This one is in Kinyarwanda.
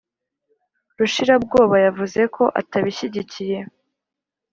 rushirabwoba yavuze ko atabishyigikiye